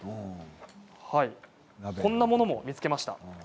こんなものも見つけました。